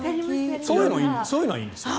そういうのはいいんですか？